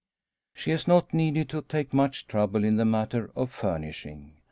She has not needed to take much trouble in the matter of furnishing.